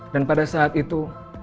dan pada saat itu